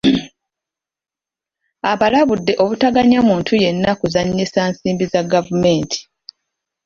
Abalabudde obutaganya muntu yenna kuzannyisa nsimbi za gavumenti.